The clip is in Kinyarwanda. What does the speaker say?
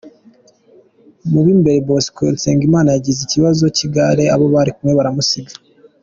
Mu b’imbere, Bosco Nsengimana yagize ikibazo cy’igare, abo bari kumwe baramusiga.